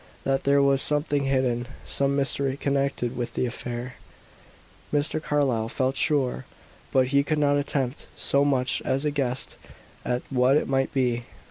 That there was something hidden, some mystery connected with the affair, Mr. Carlyle felt sure; but he could not attempt so much as a guess at what it might be.